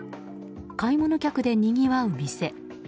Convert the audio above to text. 買い物客でにぎわう店。